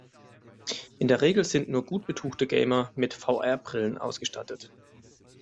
In der Regel sind nur gut betuchte Gamer mit VR-Brillen ausgestattet.